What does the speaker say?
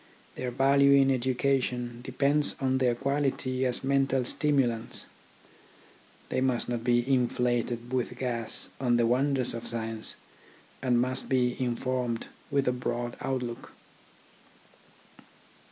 Their value in education depends on their quality as mental stimulants. They must not be inflated TECHNICAL EDUCATION 53 with gas on the wonders of science, and must be informed with a broad outlook.